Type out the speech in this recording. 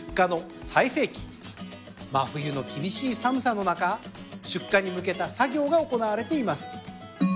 真冬の厳しい寒さの中出荷に向けた作業が行われています。